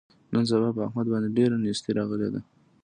نن سبا په احمد باندې ډېره نیستي راغلې ده.